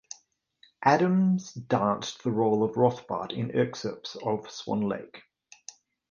Adams danced the role of Rothbart in excerpts of Swan Lake.